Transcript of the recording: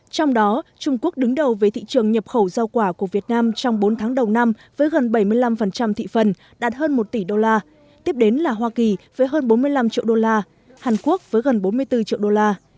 trong đó trung quốc đứng đầu về thị trường nhập khẩu giao quả của việt nam trong bốn tháng đầu năm với gần bảy mươi năm thị phần đạt hơn một tỷ đô la tiếp đến là hoa kỳ với hơn bốn mươi năm triệu đô la hàn quốc với gần bốn mươi bốn triệu đô la